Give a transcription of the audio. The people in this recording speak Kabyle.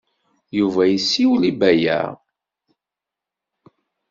Yuba yessiwel i Baya.